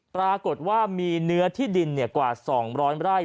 ปรากฏว่ามีเนื้อที่ดินกว่า๒๐๐ไร่